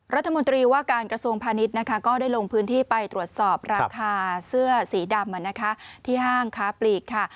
รัฐมนตรีว่าการกระทรวงพาณิชย์นะคะก็ได้ลงพื้นที่ไปตรวจสอบราคาเสื้อสีดำที่ห้างค้าปลีกค่ะ